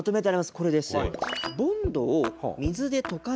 これです。